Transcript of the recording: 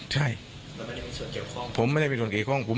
แต่เราไม่ได้เป็นคนทำ